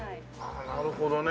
なるほどね。